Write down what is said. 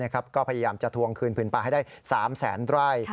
ก็พยายามจะทวงคืนผืนป่าให้ได้๓แสนไร่